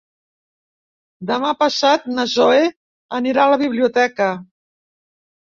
Demà passat na Zoè anirà a la biblioteca.